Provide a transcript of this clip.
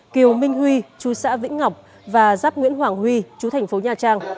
kiều minh huy chú xã vĩnh ngọc và giáp nguyễn hoàng huy chú thành phố nha trang